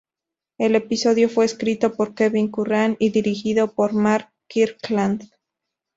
El episodio fue escrito por Kevin Curran y dirigido por Mark Kirkland.